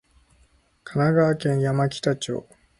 神奈川県山北町